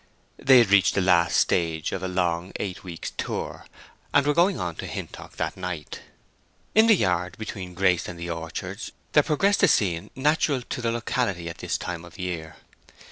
They had reached the last stage of a long eight weeks' tour, and were going on to Hintock that night. In the yard, between Grace and the orchards, there progressed a scene natural to the locality at this time of the year.